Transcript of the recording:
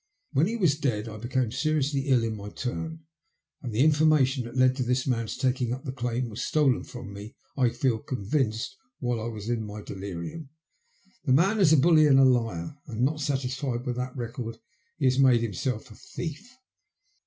When he was dead I became seriously ill in my turn, and the information that led to this man's taking up the claim was stolen from me, I feel convinced, while I was in my delirium. The man is a bully and a liar, and not satisfied with that record, he has made himself a thief."